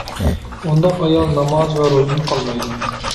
ئۇنداق ئايال ناماز ۋە روزىدىن قالمايدۇ.